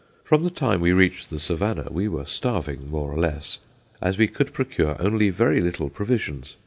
From the time we reached the Savannah we were starving, more or less, as we could procure only very little provisions.